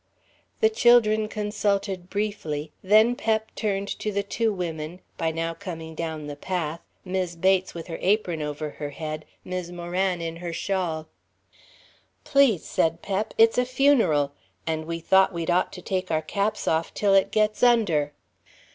The children consulted briefly, then Pep turned to the two women, by now coming down the path, Mis' Bates with her apron over her head, Mis' Moran in her shawl. "Please," said Pep, "it's a funeral. An' we thought we'd ought to take our caps off till it gets under."